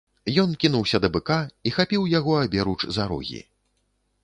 Ён кінуўся да быка і хапіў яго аберуч за рогі.